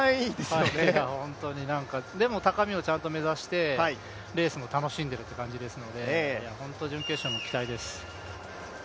高見をちゃんと目指して、レースも楽しんでいるという感じですので、準決勝も期待です。